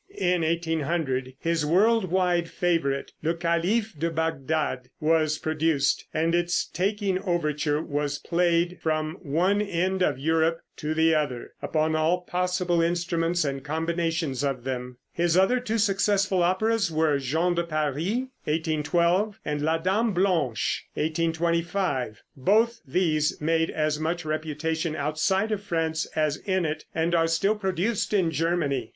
In 1800 his world wide favorite, "Le Caliph de Bagdad," was produced, and its taking overture was played from one end of Europe to the other, upon all possible instruments and combinations of them. His other two successful operas were "Jean de Paris" (1812), and "La Dame Blanche" (1825). Both these made as much reputation outside of France as in it, and are still produced in Germany.